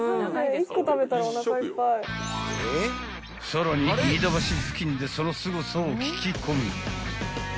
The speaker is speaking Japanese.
［さらに飯田橋付近でそのすごさを聞き込み］